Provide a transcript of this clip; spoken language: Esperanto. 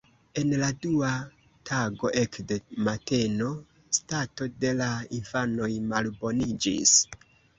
En la dua tago ekde mateno stato de la infanoj malboniĝis.